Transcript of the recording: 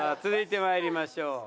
続いてまいりましょう。